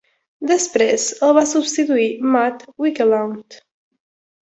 Després el va substituir Matt Wicklund.